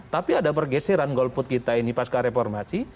tapi ada pergeseran golput kita ini pas ke reformasi